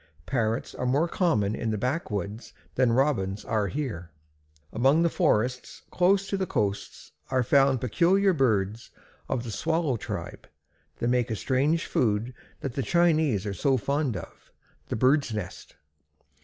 Parrots are more common in the backwoods than Robins are here. Among the forests close to the coasts are found peculiar birds of the Swallow tribe. They make a strange food that the Chinese are so fond of the bird's nest.